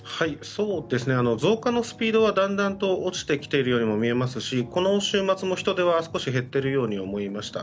増加のスピードはだんだんと落ちてきているようにも見えますしこの週末も人出は少し減っているように思いました。